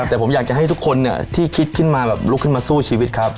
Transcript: แต่ผมอยากให้ทุกคนที่รู้ขึ้นมาสู้ชีวิตครับ